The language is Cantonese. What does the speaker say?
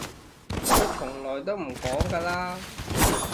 佢從來都唔講㗎啦